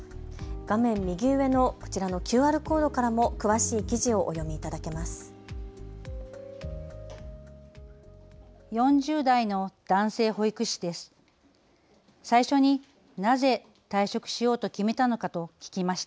画面右上のこちらのＱＲコードからも詳しい記事をお読みいただけます。